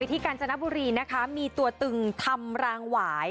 กาญจนบุรีนะคะมีตัวตึงทำรางหวาย